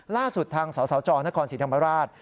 ล่าสุดทางสสจนครศรีธรรมราช